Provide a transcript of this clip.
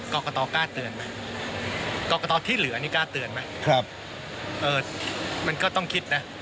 กรกตกล้าเตือนไหมกรกตที่เหลือนี่กล้าเตือนไหมมันก็ต้องคิดนะ